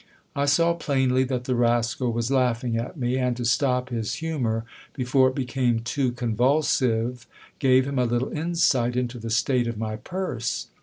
I saw plainly that the rascal was laughing at me ; and, to stop his humour before it became too convulsive, gave him a little insight into the state of my purse.